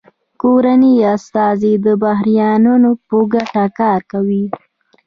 کورني استازي د بهرنیانو په ګټه کار کوي